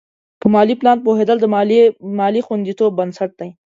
په مالي پلان پوهېدل د مالي خوندیتوب بنسټ دی.